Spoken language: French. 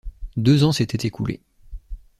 Deux ans s’étaient écoulés.